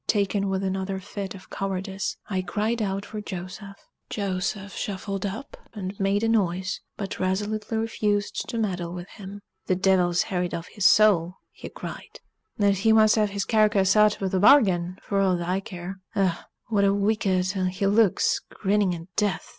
Taken with another fit of cowardice, I cried out for Joseph. Joseph shuffled up and made a noise, but resolutely refused to meddle with him. "Th' divil's harried off his soul," he cried, "and he muh hev his carcass intuh t' bargain, for ow't aw care! Ech! what a wicked un he looks, grinning at death!"